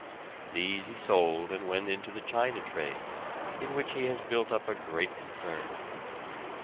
These he sold and went into the China trade, in which he has built up a great concern.